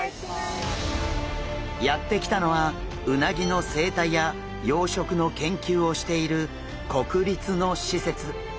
やって来たのはうなぎの生態や養殖の研究をしている国立の施設。